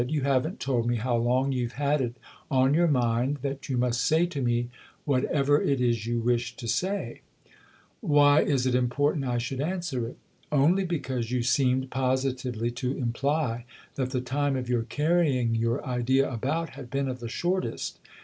"You haven't told me how long you've had it on your mind that you must say to me whatever it is you wish to say." THE OTHER HOUSfi 169 " Why is it important I should answer it ?" "Only because you seemed positively to imply that the time of your carrying your idea about had been of the shortest.